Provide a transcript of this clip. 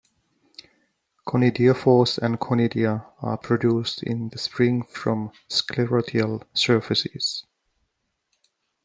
Conidiophores and conidia are produced in the spring from sclerotial surfaces.